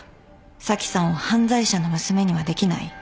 紗季さんを犯罪者の娘にはできない。